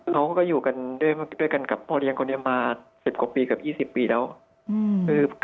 เขาก็อยู่กันด้วยกันกับพ่อเลี้ยงคนนี้มา๑๐กว่าปีเกือบ๒๐ปีแล้ว